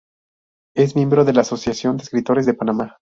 Es miembro de la Asociación de Escritores de Panamá.